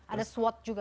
ada swot juga